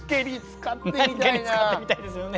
何かに使ってみたいですよね。